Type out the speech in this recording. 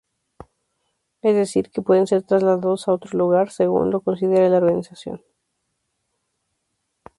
Es decir, que pueden ser trasladados a otro lugar según lo considere la organización.